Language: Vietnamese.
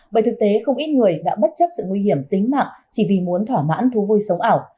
bởi thực tế không ít người đã bất chấp sự nguy hiểm tính mạng chỉ vì muốn thỏa mãn thú vui sống ảo